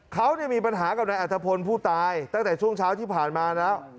เขามีปัญหากับนายอัตภพลผู้ตายตั้งแต่ช่วงเช้าที่ผ่านมาแล้ว